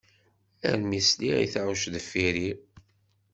Armi i sliɣ i taɣect deffir-i.